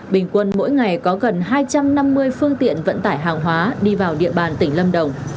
bình quân mỗi ngày có gần hai trăm năm mươi phương tiện vận tải hàng hóa đi vào địa bàn tỉnh lâm đồng